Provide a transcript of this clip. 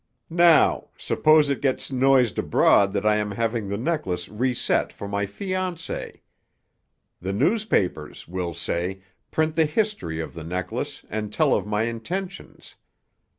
Now—suppose it gets noised abroad that I am having the necklace reset for my fiancée. The newspapers, we'll say, print the history of the necklace and tell of my intentions.